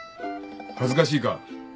恥ずかしいか。